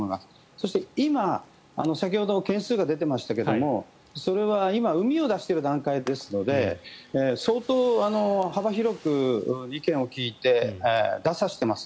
そして今先ほど件数が出ていましたがそれは今うみを出している段階ですので相当幅広く意見を聞いて出させてます。